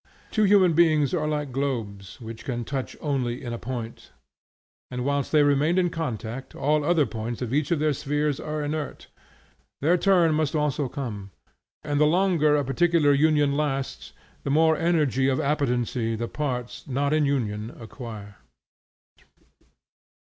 Two human beings are like globes, which can touch only in a point, and whilst they remain in contact, all other points of each of the spheres are inert; their turn must also come, and the longer a particular union lasts the more energy of appetency the parts not in union acquire.